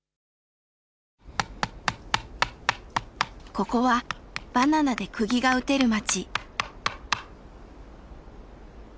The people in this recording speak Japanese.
ここはバナナでくぎが打てる町。